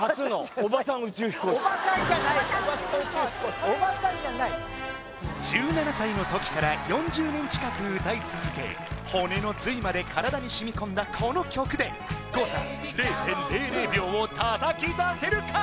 おばさんじゃないからおばさんじゃない１７歳の時から４０年近く歌い続け骨の髄まで体に染み込んだこの曲で誤差０．００秒を叩き出せるか！？